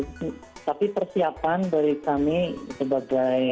tapi persiapan dari kami sebagai